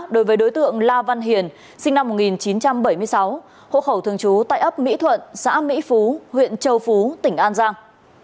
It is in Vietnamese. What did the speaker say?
đối với đối tượng la văn hiền sinh năm một nghìn chín trăm bảy mươi sáu hộ khẩu thường trú tại ấp mỹ thuận xã mỹ phú huyện châu phú tỉnh an giang